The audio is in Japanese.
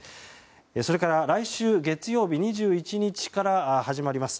それから来週月曜日２１日から始まります